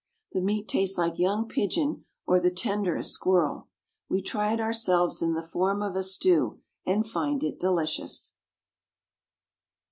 The meat tastes like young pigeon or the tenderest squir rel. We try it ourselves in the form of a stew, and find it delicious.